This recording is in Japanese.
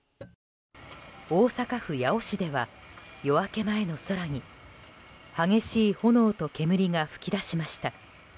大阪府八尾市では夜明け前の空に激しい炎と煙が噴き出しました。